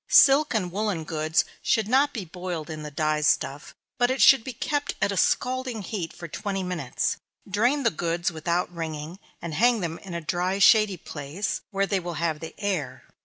Silk and woollen goods should not be boiled in the dye stuff, but it should be kept at a scalding heat for twenty minutes. Drain the goods without wringing, and hang them in a dry, shady place, where they will have the air.